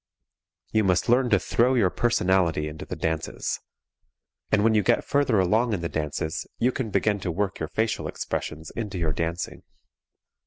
You must learn to throw your personality into the dances. And when you get further along in the dances you can begin to work your facial expressions into your dancing.